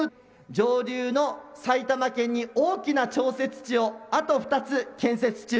上流の埼玉県に大きな調節池をあと２つ建設中。